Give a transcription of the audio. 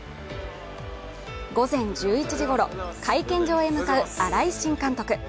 午前１１時ごろ、会見場へ向かう新井新監督。